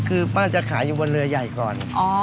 คือป้าจะขายอยู่บนเรือใหญ่ก่อน